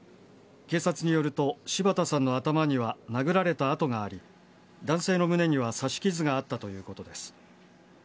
警察によると、柴田さんの頭には殴られた痕があり、男性の胸には刺し傷があったということです。